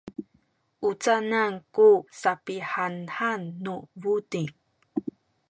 u canan ku sapihanhan nu buting?